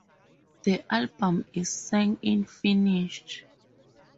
The album is sung in Finnish.